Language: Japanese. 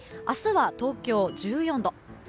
明日は東京、１４度。